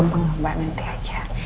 gampang mbak nanti aja